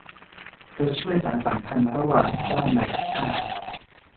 ตัวช่วยสานสัมพันธ์ระหว่างเจ้านายกับทาส